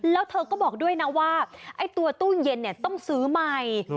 แล้วเธอก็บอกด้วยนะว่าไอ้ตัวตู้เย็นเนี่ยต้องซื้อใหม่